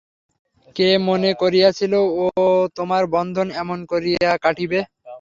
কে মনে করিয়াছিল, ও তোমার বন্ধন এমন করিয়া কাটিবে।